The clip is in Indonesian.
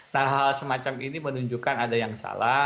nah hal hal semacam ini menunjukkan ada yang salah